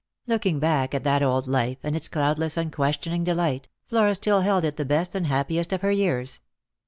Looking back at that old life and its cloudless unquestioning delight, Flora still held it the best and happiest of her years.